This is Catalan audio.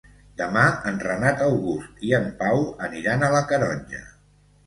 Demà en Renat August i en Pau aniran a la Canonja.